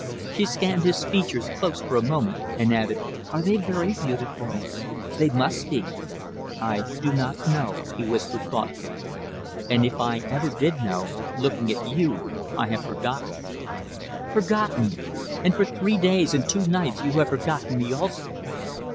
She scanned his features close for a moment and added: "Are they very beautiful? They must be." "I do not know," he whispered, thoughtfully. "And if I ever did know, looking at you I have forgotten." "Forgotten! And for three days and two nights you have forgotten me also!